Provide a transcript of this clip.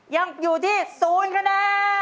ยังอยู่ที่๐คะแนน